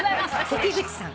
関口さん。